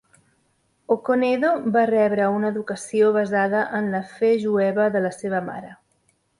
Okonedo va rebre una educació basada en la fe jueva de la seva mare.